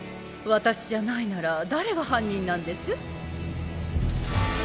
私じゃないなら誰が犯人なんです？